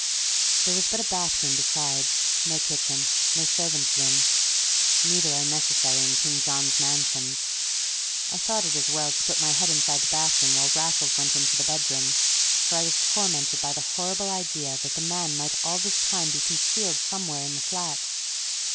There was but a bathroom besides; no kitchen, no servant's room; neither are necessary in King John's Mansions. I thought it as well to put my head inside the bathroom while Raffles went into the bedroom, for I was tormented by the horrible idea that the man might all this time be concealed somewhere in the flat.